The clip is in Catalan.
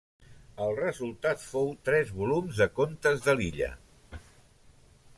El resultat fou tres volums de contes de l'illa.